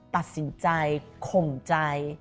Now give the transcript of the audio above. ตัดสินใจข่มใจ